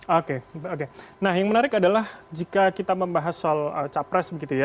oke oke nah yang menarik adalah jika kita membahas soal capres begitu ya